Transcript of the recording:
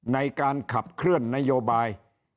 ในการขับเคลื่อนนโยบาย